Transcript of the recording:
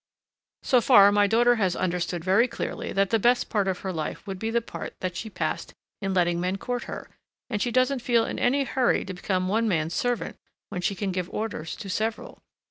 So far my daughter has understood very clearly that the best part of her life would be the part that she passed in letting men court her, and she doesn't feel in any hurry to become one man's servant when she can give orders to several.